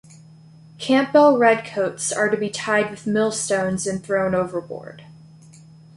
Campbell redcoats are to be tied with millstones and thrown overboard.